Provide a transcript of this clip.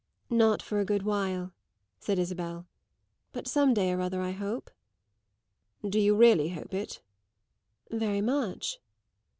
"Not for a good while," said Isabel. "But some day or other, I hope." "Do you really hope it?" "Very much."